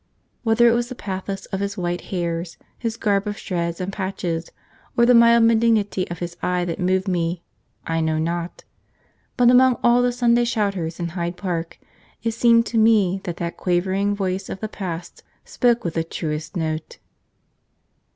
Whether it was the pathos of his white hairs, his garb of shreds and patches, or the mild benignity of his eye that moved me, I know not, but among all the Sunday shouters in Hyde Park it seemed to me that that quavering voice of the past spoke with the truest note.